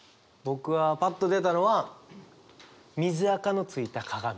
僕はパッと出たのは水あかの付いた鏡。